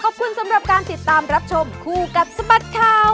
ขอบคุณสำหรับการติดตามรับชมคู่กับสบัดข่าว